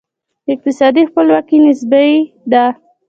اقتصادي خپلواکي نسبي ده.